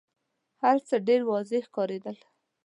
هرڅه ډېر واضح ښکارېدل.